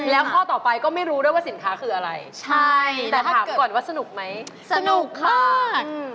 แล้วข้อต่อไปก็ไม่รู้ด้วยว่าสินค้าคืออะไรใช่แต่ถามก่อนว่าสนุกไหมสนุกมาก